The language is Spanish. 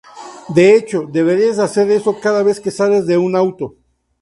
De hecho, deberías hacer eso cada vez que sales de un auto.